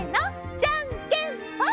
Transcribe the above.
じゃんけんぽん！